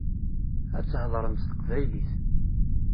Ad theḍṛem s teqbaylit.